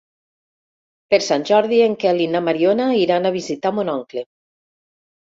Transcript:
Per Sant Jordi en Quel i na Mariona iran a visitar mon oncle.